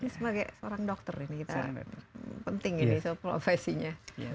ini sebagai seorang dokter ini penting ini provasinya